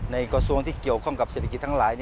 กระทรวงที่เกี่ยวข้องกับเศรษฐกิจทั้งหลาย